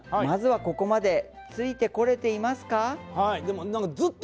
まずはここまでついてこれていますか？